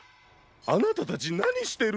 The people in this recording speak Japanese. あなたたちなにしてるの？